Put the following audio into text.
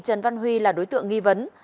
trần văn huy là đối tượng nghi vấn